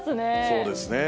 そうですね。